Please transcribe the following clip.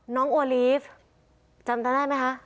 โอลีฟจำได้ไหมคะ